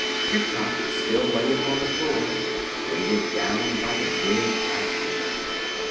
Tik Tok still lay upon the floor, weighted down by the big diamond.